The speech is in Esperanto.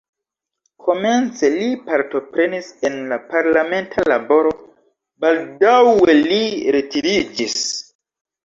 Komence li partoprenis en la parlamenta laboro, baldaŭe li retiriĝis.